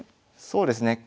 そうですね。